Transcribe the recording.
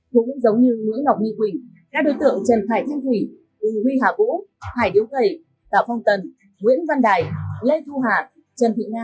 cũng giống như nguyễn ngọc nhi quỳnh các đối tượng trần phải thanh thủy huy hà vũ hải điếu gầy tạo phong tần nguyễn văn đại lê thu hạc